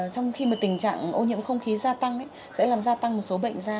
trong khi tình trạng ô nhiễm không khí gia tăng sẽ làm gia tăng một số bệnh da